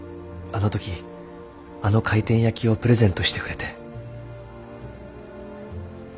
あの時あの回転焼きをプレゼントしてくれて。